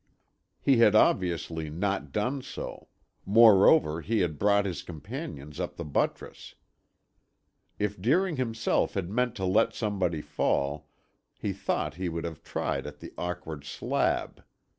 He had obviously not done so; moreover he had brought his companions up the buttress. If Deering himself had meant to let somebody fall, he thought he would have tried at the awkward slab.